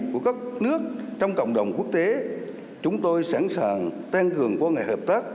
của các nước trong cộng đồng quốc tế chúng tôi sẵn sàng tăng cường quan hệ hợp tác